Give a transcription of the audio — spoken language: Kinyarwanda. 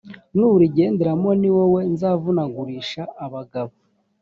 n rigenderamo ni wowe nzavunagurisha abagabo